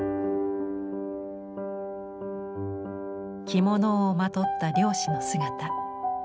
着物をまとった漁師の姿。